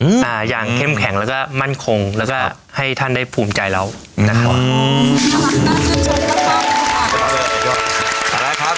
อ่าอย่างเข้มแข็งแล้วก็มั่นคงแล้วก็ให้ท่านได้ภูมิใจเราอืมนะครับผม